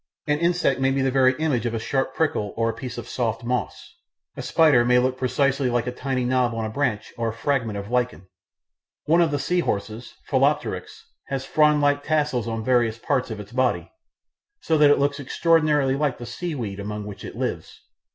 An insect may be the very image of a sharp prickle or a piece of soft moss; a spider may look precisely like a tiny knob on a branch or a fragment of lichen; one of the sea horses (Phyllopteryx) has frond like tassels on various parts of its body, so that it looks extraordinarily like the seaweeds among which it lives.